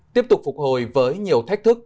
tiếp tục phục hồi với nhiều thách thức